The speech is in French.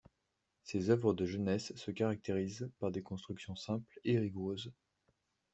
Ses œuvres de jeunesse se caractérisent par des constructions simples et rigoureuses.